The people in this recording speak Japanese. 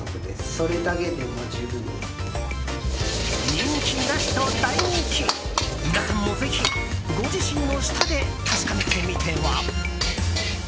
人気なしと大人気皆さんもぜひご自身の舌で確かめてみては？